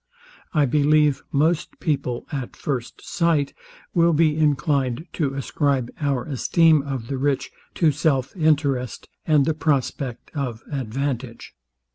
I believe most people, at first sight, will be inclined to ascribe our esteem of the rich to self interest, and the prospect of advantage.